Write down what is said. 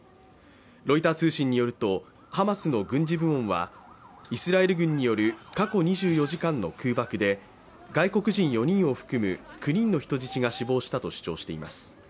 ロイター通信によるとハマスの軍事部門はイスラエル軍による過去２４時間の空爆で、外国人４人を含む９人の人質が死亡したと主張しています。